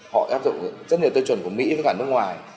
họ áp dụng rất nhiều tiêu chuẩn của mỹ với cả nước ngoài